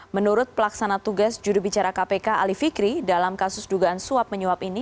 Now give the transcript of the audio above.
menurut pelaksana tugas jurubicara kpk ali fikri dalam kasus dugaan suap menyuap ini